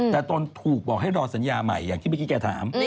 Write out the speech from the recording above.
แต่ตนถูกบอกให้รอสัญญาใหม่อย่างที่เมื่อกี้แกถาม